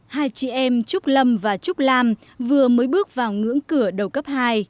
hai chị em trúc lâm và trúc lam vừa mới bước vào ngưỡng cửa đầu cấp hai